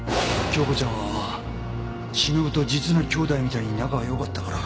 京子ちゃんは忍と実の姉妹みたいに仲がよかったから。